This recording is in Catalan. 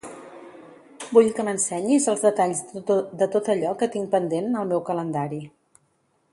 Vull que m'ensenyis els detalls de tot allò que tinc pendent al meu calendari.